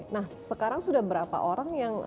nah sekarang sudah berapa orang yang